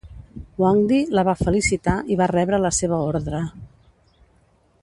Huangdi la va felicitar i va rebre la seva ordre.